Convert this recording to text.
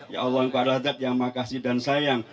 ya allah engkau adalah zat yang makasih dan sayang